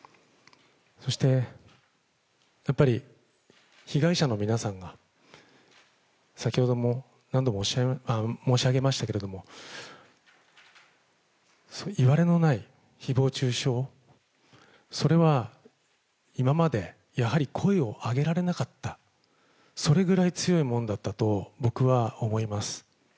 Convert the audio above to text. そして、やっぱり被害者の皆さんが、先ほども何度も申し上げましたけれども、いわれのないひぼう中傷、それは今まで、やはり声を上げられなかった、それぐらい強いものだったと僕は思います。